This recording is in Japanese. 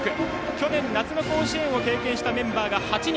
去年夏の甲子園を経験したメンバーが８人。